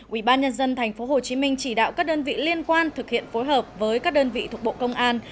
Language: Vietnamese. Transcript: ubnd tp hcm chỉ đạo các đơn vị liên quan thực hiện phối hợp với các đơn vị thuộc bộ công an